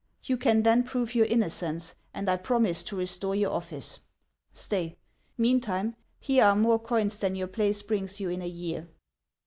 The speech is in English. You can then prove your innocence, and I promise to restore your office. Stay ; meantime, here are more coins than your place brings you in a year."